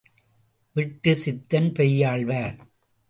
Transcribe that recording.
விட்டு சித்தன் பெரியாழ்வார்.